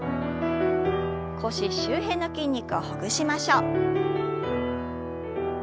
腰周辺の筋肉をほぐしましょう。